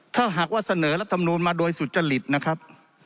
ถ้าหากว่าเสนอรัฐมนูลมาโดยสุจริตนะครับ